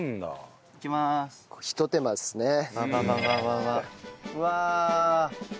うわ。